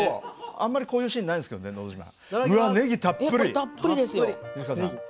あんまりこういうシーンないんですけどね「のど自慢」。